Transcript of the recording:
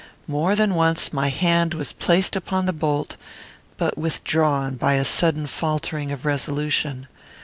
More than once my hand was placed upon the bolt, but withdrawn by a sudden faltering of resolution.